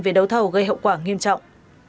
về đấu thầu gây hậu quả nghiêm trọng